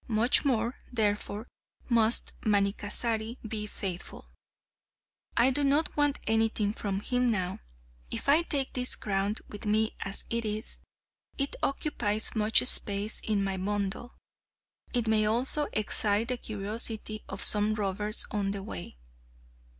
Much more, therefore, must Manikkasari be faithful. I do not want anything from him now. If I take this crown with me as it is, it occupies much space in my bundle. It may also excite the curiosity of some robbers on the way.